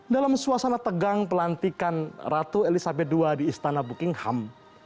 dalam suasana tegang pelantikan ratu elizabeth ii di istana buckingham